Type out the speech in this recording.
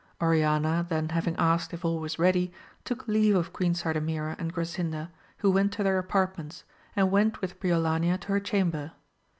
Oriana then having asked if all was ready, took leave of Queen Sardamira, and Grasinda, who went to their apartments, and went with Briolania to her chamber.